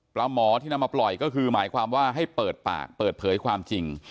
หมอที่นำมาปล่อยก็คือหมายความว่าให้เปิดปากเปิดเผยความจริง